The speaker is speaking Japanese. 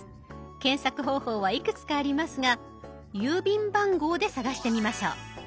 検索方法はいくつかありますが郵便番号で探してみましょう。